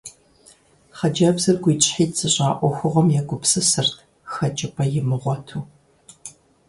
Хъыджэбзыр гуитӀщхьитӀ зыщӏа ӏуэхугъуэм егупсысырт, хэкӏыпӏэ имыгъуэту.